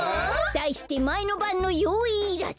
だいしてまえのばんのよういいらず！